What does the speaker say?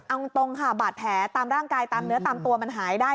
เอาตรงค่ะบาดแผลตามร่างกายตามเนื้อตามตัวมันหายได้